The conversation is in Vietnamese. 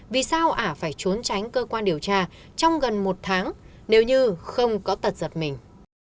vì sao ả phải trốn tránh cơ quan điều tra trong gần một tháng nếu như không có tật giật mình